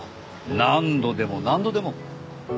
何度でも何度でも。